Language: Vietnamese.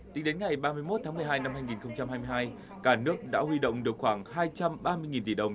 tính đến ngày ba mươi một tháng một mươi hai năm hai nghìn hai mươi hai cả nước đã huy động được khoảng hai trăm ba mươi tỷ đồng